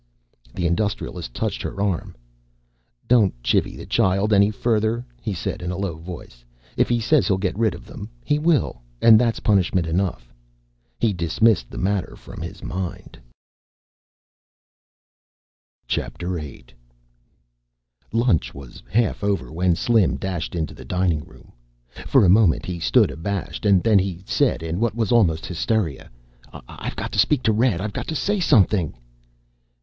The Industrialist touched her arm. "Don't chivvy the child any further," he said, in a low voice. "If he says he'll get rid of them, he will, and that's punishment enough." He dismissed the matter from his mind. VIII Lunch was half over when Slim dashed into the dining room. For a moment, he stood abashed, and then he said in what was almost hysteria, "I've got to speak to Red. I've got to say something."